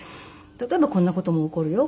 例えばこんな事も起こるよ